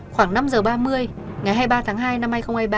khoảng năm giờ ba mươi ngày hai mươi ba tháng hai năm hai nghìn hai mươi ba